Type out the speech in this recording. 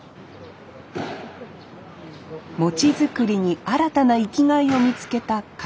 餅作りに新たな生きがいを見つけた片方さん。